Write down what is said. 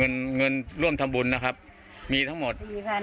เงินร่วมทำบุญมีทั้งหมด